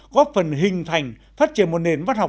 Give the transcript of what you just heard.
góp phần hình thành phát triển một nền văn học